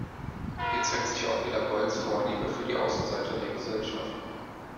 Hier zeigt sich auch wieder Boyles Vorliebe für die Außenseiter der Gesellschaft.